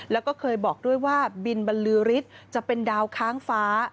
แล้วก็เคยบอกด้วยว่าบินบรรลือฤทธิ์จะเป็นดาวค้างฟ้า